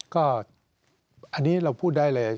ก็อันนี้เราพูดได้เลย